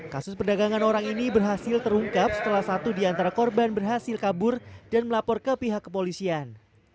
kasus perdagangan orang ini berhasil terungkap setelah satu di antara korban berhasil kabur dan melapor ke pihak kepolisian